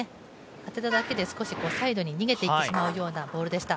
当てただけで少しサイドに逃げていってしまうようなボールでした。